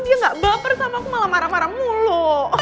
dia gak baper sama aku malah marah marah mulu